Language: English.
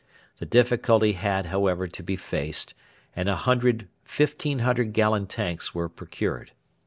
The difficulty had, however, to be faced, and a hundred 1,500 gallon tanks were procured.